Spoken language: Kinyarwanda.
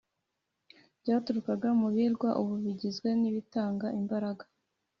byaturukaga mu birwa ubu bigizwe nibitanga imbaraga.